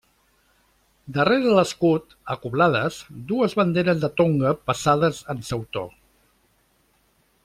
Darrere l'escut, acoblades, dues banderes de Tonga passades en sautor.